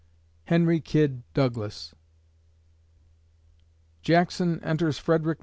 HENRY KYD DOUGLAS _Jackson enters Frederick, Md.